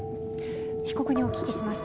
被告にお聞きします。